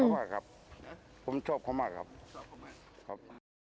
ผมรักเขามากครับผมชอบเขามากครับ